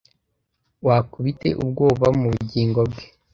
Wakubite ubwoba mubugingo bwe